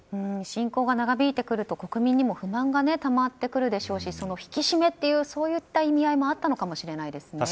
侵攻が長引いてくると国民にも不満が高まってくるでしょうしその引き締めという意味合いもあったのかもしれないですね。